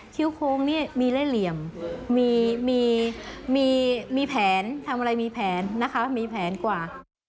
้วโค้งนี่มีเล่เหลี่ยมมีแผนทำอะไรมีแผนนะคะมีแผนกว่า